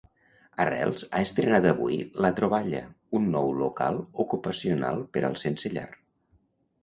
Arrels ha estrenat avui La Troballa, un nou local ocupacional per als sense llar.